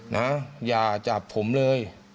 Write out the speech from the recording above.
นะอย่าจับผมเลย